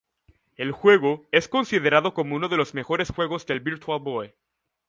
El juego es considerado como uno de los mejores juegos del Virtual Boy.